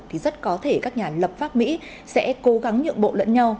thì rất có thể các nhà lập pháp mỹ sẽ cố gắng nhượng bộ lẫn nhau